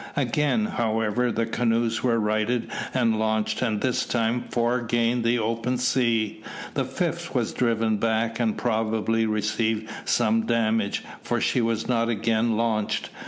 Again, however, the canoes were righted and launched, and this time four gained the open sea. The fifth was driven back, and probably received some damage, for she was not again launched.